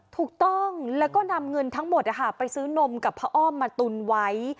ถูกต้องแล้วก็นำเงินทั้งหมดไปซื้อนมกับพระอ้อมมาตุนไว้